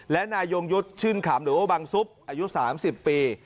และนายยงยุทธ์ชื่นขำหรือว่าบังซุปอายุ๓๐ปี